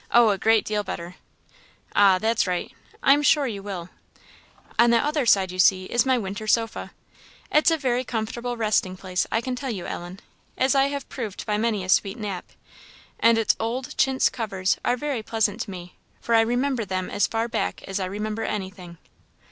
"Oh, a great deal better!" "Ah, that's right. I am sure you will. On that other side, you see, is my winter sofa. It's a very comfortable resting place, I can tell you, Ellen, as I have proved by many a sweet nap; and its old chintz covers are very pleasant to me, for I remember them as far back as I remember anything."